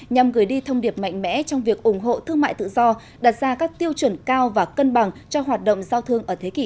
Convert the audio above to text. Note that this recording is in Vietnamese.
nhằm gửi đi thông điệp mạnh mẽ trong việc ủng hộ thương mại tự do đặt ra các tiêu chuẩn cao và cân bằng cho hoạt động giao thương ở thế kỷ